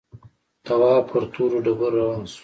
تواب پر تورو ډبرو روان شو.